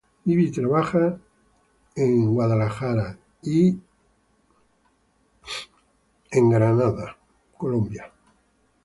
Vive y trabaja en Nueva York y en Nueva Escocia, Canadá.